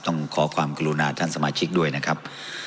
ต้องขอความกรุณาท่านสมาชิกด้วยนะครับ